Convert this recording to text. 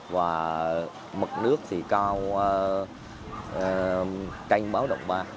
và mực nước thì cao canh báo động ba